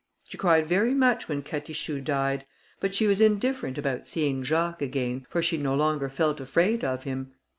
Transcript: She cried very much when Catichou died; but she was indifferent about seeing Jacques again, for she no longer felt afraid of him.